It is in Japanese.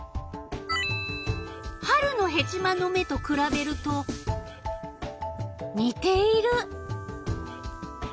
春のヘチマの芽とくらべると似ている。